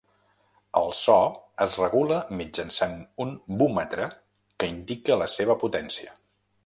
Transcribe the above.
El so es regula mitjançant un vúmetre que indica la seva potència.